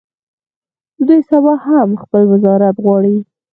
دوی سبا هم خپل وزارت غواړي.